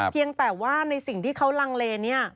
เพียงแต่ว่าในสิ่งที่เขาลังเลเนี่ย